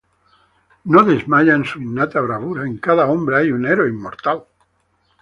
No desmaya en su innata bravura, en cada hombre hay un héroe inmortal